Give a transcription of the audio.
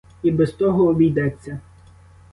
І без того обійдеться.